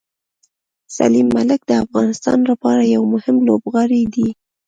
سلیم ملک د افغانستان لپاره یو مهم لوبغاړی دی.